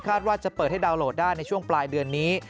ว่าจะเปิดให้ดาวนโหลดได้ในช่วงปลายเดือนนี้